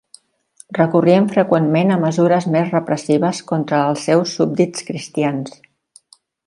Recorrien freqüentment a mesures més repressives contra els seus súbdits cristians.